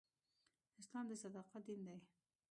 اسلام د صداقت دین دی.